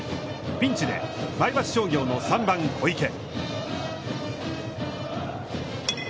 ピンチで前橋商業の、３番小池。